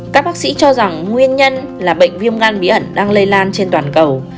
các bác sĩ cho rằng nguyên nhân là bệnh viêm gan bí ẩn đang lây lan trên toàn cầu